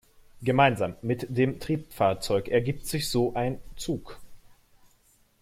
Gemeinsam mit dem Triebfahrzeug ergibt sich so ein Zug.